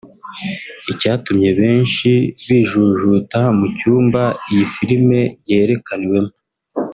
Icyatumye benshi bijujuta mu cyumba iyi filime yerekaniwemo